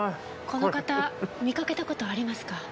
この方見かけたことありますか？